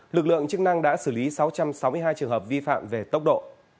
lực lượng chức năng đã xử lý sáu trăm sáu mươi hai trường hợp vi phạm về tốc độ